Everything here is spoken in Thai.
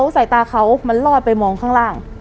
สายตาเขามันลอดไปมองข้างล่าง